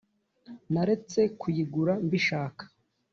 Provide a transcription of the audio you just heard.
Naretse kuyigura mbishaka